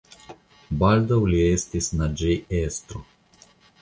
Baldaŭ li estis naĝejestro.